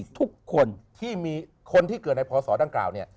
ทุกคนที่เกิดในพอสอนด้านกล่าวเนี่ย